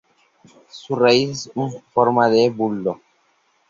Su raíz es en forma de bulbo.